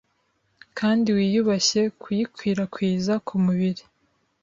kandi wiyubashye kuyikwirakwiza ku mubiri.